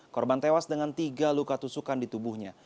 korban tewas dengan tiga luka tusukan di tubuhnya